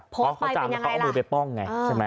พอจามแล้วก็เอามือไปป้องไง